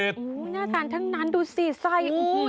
อู้หูหน้าทานทั้งนั้นดูสิใส่